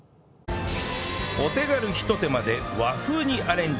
お手軽ひと手間で和風にアレンジ！